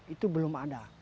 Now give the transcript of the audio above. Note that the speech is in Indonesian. itu belum ada